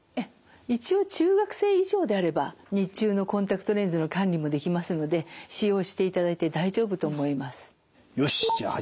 一応中学生以上であれば日中のコンタクトレンズの管理もできますので使用していただいて大丈夫と思います。